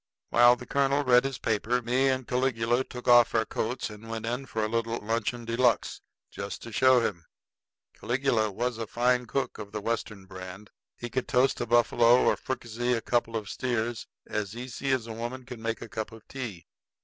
While the colonel read his paper, me and Caligula took off our coats and went in for a little luncheon de luxe just to show him. Caligula was a fine cook of the Western brand. He could toast a buffalo or fricassee a couple of steers as easy as a woman could make a cup of tea.